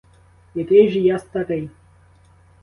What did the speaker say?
Який же я старий?